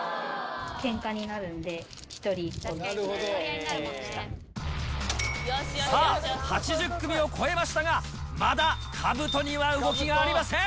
けんかになるんで、１人１個さあ、８０組を超えましたが、まだかぶとには動きがありません。